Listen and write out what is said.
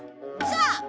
そう！